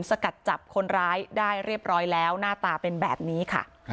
สกัดจับคนร้ายได้เรียบร้อยแล้วหน้าตาเป็นแบบนี้ค่ะ